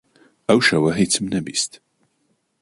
ئەو شەوە هیچم نەبیست.